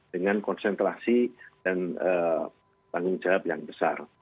dengan konsentrasi dan tanggung jawab yang besar